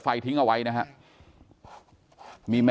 กลุ่มตัวเชียงใหม่